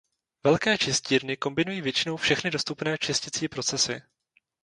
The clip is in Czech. Velké čistírny kombinují většinou všechny dostupné čisticí procesy.